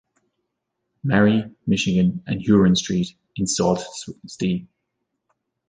Marie, Michigan, and Huron Street in Sault Ste.